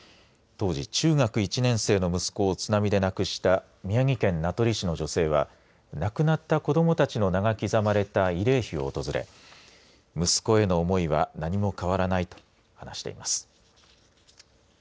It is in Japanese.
当時、中学１年生の息子を津波で亡くした宮城県名取市の女性は亡くなった子どもたちの名が刻まれた慰霊碑を訪れ息子への思いは何も変わらないと話しています。